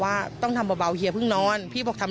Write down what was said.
พี่พระราชกบตื่นมาพี่ถามว่ากบผู้หญิงคนนั้นโทรคือใคร